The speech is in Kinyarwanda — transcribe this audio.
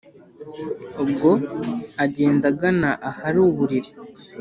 ubwo agenda agana ahari uburiri